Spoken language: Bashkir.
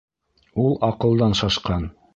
Ул аҡылдан шашҡан!